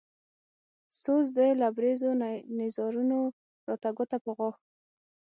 سوز د لبرېزو نيزارونو راته ګوته په غاښ